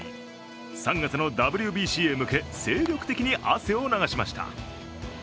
３月のＷＢＣに向け精力的に汗を流しました。